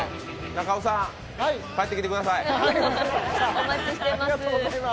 中尾さん、帰ってきてください。